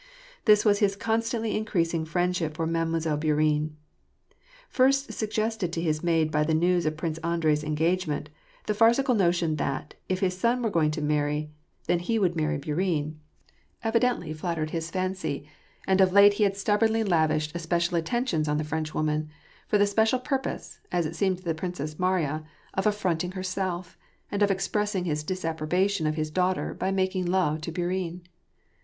This was his constantly increasing friendship for Mademoiselle Bourienne. First suggested to his mind by the news of Prince Andrei's engagement, the farcical notion that, if his son were going to marry, then he would marry Bourienne, evi WAR AND PEACE. 315 dently flattered his fancy, and of late he had stubbornly lav ished especial attentions on the Frenchwoman, — for the special purpose, as it seemed to the Princess Mariya, of affronting herself, and of expressing his disapprobation of his daughter by making love to Bourienne.